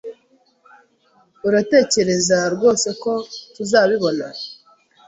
Uratekereza rwose ko tuzabibona?